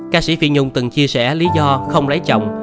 ca sĩ phi nhung từng chia sẻ lý do không lấy chồng